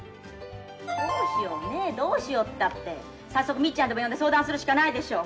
どうしようねえどうしようったって早速みっちゃんでも呼んで相談するしかないでしょ。